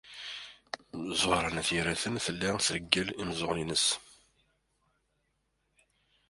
Ẓuhṛa n At Yiraten tella treggel imeẓẓuɣen-nnes.